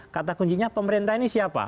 kata kuncinya pemerintah ini siapa